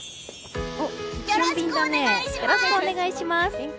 よろしくお願いします！